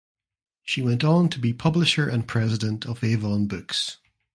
She went on to be publisher and president of Avon Books.